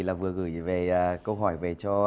là vừa gửi về câu hỏi về cho